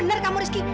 yang bener kamu rizky